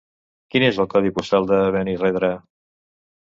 Quin és el codi postal de Benirredrà?